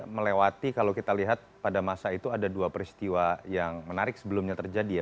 melewati kalau kita lihat pada masa itu ada dua peristiwa yang menarik sebelumnya terjadi ya